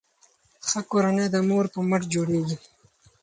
ښه کورنۍ د مور په مټ جوړیږي.